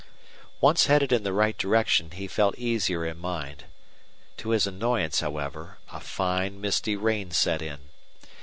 Once headed in the right direction, he felt easier in mind. To his annoyance, however, a fine, misty rain set in.